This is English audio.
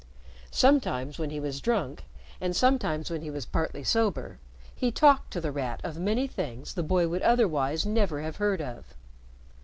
Sometimes when he was drunk, and sometimes when he was partly sober, he talked to The Rat of many things the boy would otherwise never have heard of.